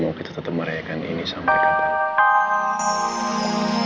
mau kita tetap merayakan ini sampai kapan